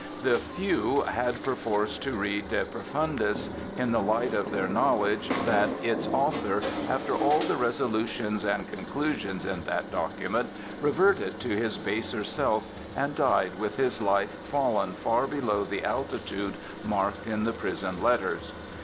The few had perforce to read "De Profundis" in the light of their knowledge that its 20 INTRODUCTION author, after all the resolutions and con clusions in that document, reverted to his baser self, and died with his life fallen far below the altitude marked in the prison letters.